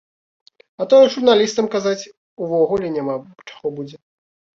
А тое журналістам казаць увогуле няма чаго будзе.